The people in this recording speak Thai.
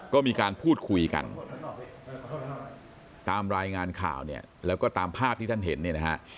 ก็มีการพูดคุยกันตามรายงานข่าวเนี่ยแล้วก็ตามภาพที่ท่านเห็นเนี่ยนะฮะ